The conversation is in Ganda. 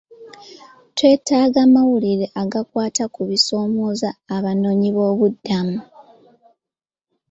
Twetaaga amawulire agakwata ku bisoomooza abanoonyiboobubudamu.